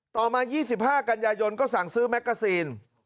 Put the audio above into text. ต่อมา๒๕กันยายนก็สั่งซื้อแมกกาซีน